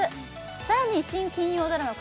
さらに新金曜ドラマ